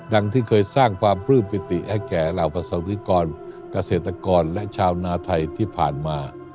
ดังที่เคยสร้างความพลื้มประวัติให้แก่ลาวปสรรภิกรเกษตรากรและชาวนาไทยที่ผ่านมา